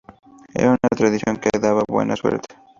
Era una tradición que daba buena suerte.